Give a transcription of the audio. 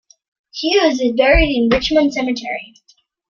Hughes is buried in Richmond Cemetery.